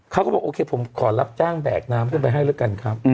เขาก็บอกโอเคผมขอรับจ้างแบกน้ำขึ้นไปให้แล้วกันครับ